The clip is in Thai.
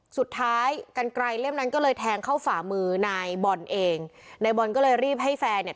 สุดท้ายกันไกลเล่มนั้นก็เลยแทงเข้าฝ่ามือนายบอลเองนายบอลก็เลยรีบให้แฟนเนี่ย